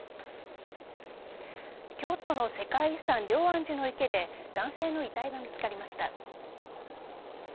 京都の世界遺産・龍安寺の池で男性の遺体が見つかりました。